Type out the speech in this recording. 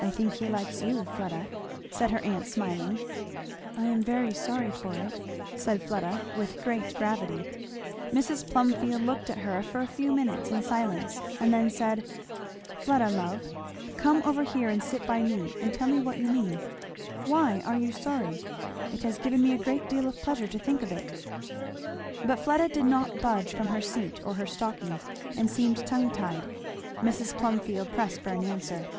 "I think he likes you, Fleda," said her aunt smiling. "I am very sorry for it," said Fleda with great gravity. Mrs. Plumfield looked at her for a few minutes in silence and then said, "Fleda, love, come over here and sit by me and tell me what you mean. Why are you sorry? It has given me a great deal of pleasure to think of it." But Fleda did not budge from her seat or her stocking and seemed tongue tied. Mrs. Plumfield pressed for an answer.